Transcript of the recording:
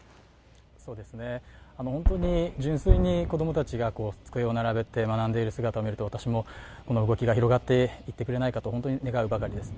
本当に純粋に子供たちが机を並べて学んでいる姿を見ると私もこの動きが広がっていってくれないかと願うばかりです。